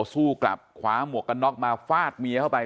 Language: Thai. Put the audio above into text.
สู้กลับคว้าหมวกกันน็อกมาฟาดเมียเข้าไป